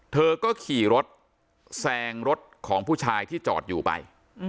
เธอก็ขี่รถแซงรถของผู้ชายที่จอดอยู่ไป